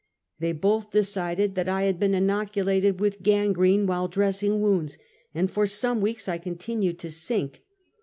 They both decided that I had been inoculated with gangrene while dressing wounds, and for some weeks I continued to sink.